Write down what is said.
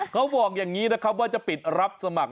เขาบอกอย่างนี้นะครับว่าจะปิดรับสมัคร